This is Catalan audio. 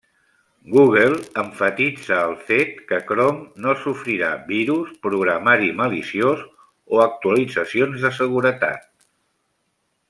Google emfatitza el fet que Chrome no sofrirà virus, programari maliciós, o actualitzacions de seguretat.